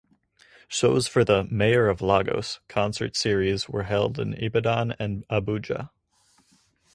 Shows for the "Mayor of Lagos" concert series were held in Ibadan and Abuja.